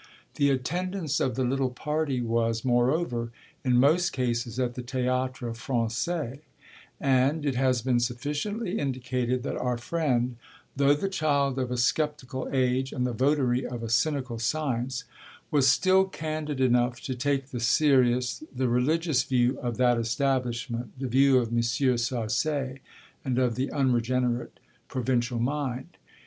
The attendance of the little party was, moreover, in most cases at the Théâtre Français; and it has been sufficiently indicated that our friend, though the child of a sceptical age and the votary of a cynical science, was still candid enough to take the serious, the religious view of that establishment the view of M. Sarcey and of the unregenerate provincial mind.